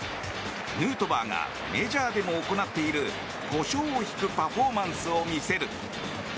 ヌートバーがメジャーでも行っているコショウをひくパフォーマンスを見せる。